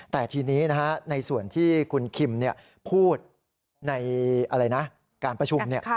แต่ทีนี้ในส่วนที่คุณคิมพูดในอะไรนะการประชุม